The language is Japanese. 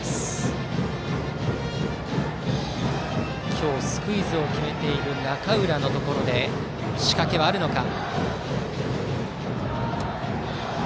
今日スクイズを決めている中浦のところで仕掛けはあるのか。